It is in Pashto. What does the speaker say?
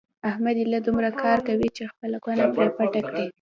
احمد ایله دومره کار کوي چې خپله کونه پرې پټه کړي.